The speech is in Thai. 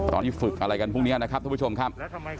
ตอนนี้ฝึกอะไรกันพวกนี้นะครับทุกผู้ชมครับ